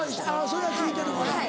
それは聞いてるから。